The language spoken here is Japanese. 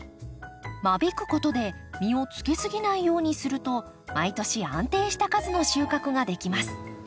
間引くことで実をつけすぎないようにすると毎年安定した数の収穫ができます。